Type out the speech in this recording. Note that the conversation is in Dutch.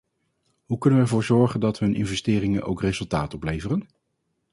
Hoe kunnen we ervoor zorgen dat hun investeringen ook resultaat opleveren?